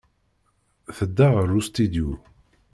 Tedda ɣer ustidyu.